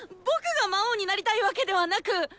僕が魔王になりたいわけではなく！